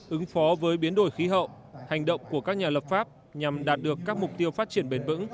ứng phó với biến đổi khí hậu hành động của các nhà lập pháp nhằm đạt được các mục tiêu phát triển bền vững